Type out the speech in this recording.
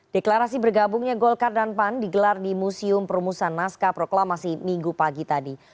deklarasi bergabungnya golkar dan pan digelar di museum perumusan naskah proklamasi minggu pagi tadi